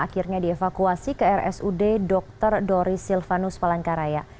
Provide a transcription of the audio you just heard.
akhirnya dievakuasi ke rsud dr doris silvanus palangkaraya